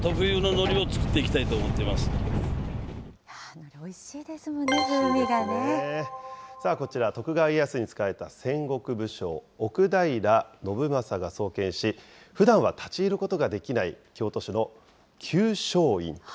のり、おいしいですもんね、こちら、徳川家康に仕えた戦国武将、奥平信昌が創建し、ふだんは立ち入ることができない京都市の久昌院と。